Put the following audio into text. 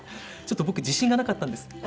ちょっと僕自信がなかったんです。